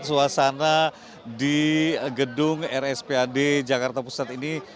suasana di gedung rspad jakarta pusat ini